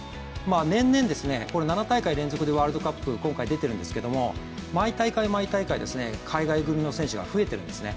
年々、７大会連続でワールドカップ出てるんですけど毎大会、毎大会、海外組の選手が増えてるんですね。